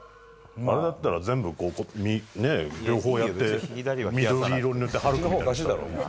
あれだったら、全部、両方やって、緑色に塗ってハルクみたいにして。